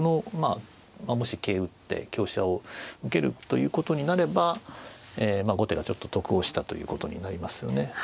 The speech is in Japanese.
もし桂打って香車を受けるということになれば後手がちょっと得をしたということになりますよね。